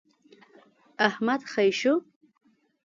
احمد خې شو.